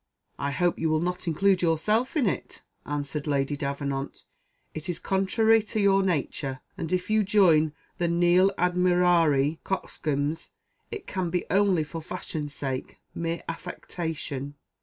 "I hope you will not include yourself in it," answered Lady Davenant: "it is contrary to your nature, and if you join the nil admirari coxcombs, it can be only for fashion's sake mere affectation."